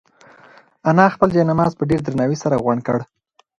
انا خپل جاینماز په ډېر درناوي سره غونډ کړ.